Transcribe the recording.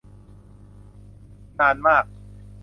นานมาก